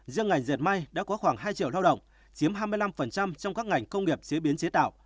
riêng ngành diệt may đã có khoảng hai triệu lao động chiếm hai mươi năm trong các ngành công nghiệp chế biến chế tạo